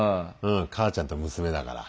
母ちゃんと娘だから。